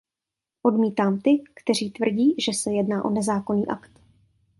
Odmítám ty, kteří tvrdí, že se jedná o nezákonný akt.